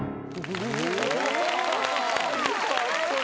すごい。